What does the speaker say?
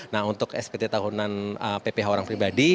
nah untuk spt tahunan pph orang pribadi